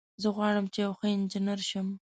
زه غواړم چې یو ښه انجینر شم